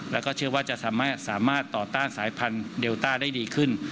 แล้วก็เชื่อว่าจะสามารถต่อต้านสายพันธุ์เดลต้าได้ดีขึ้น